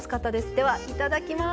ではいただきます。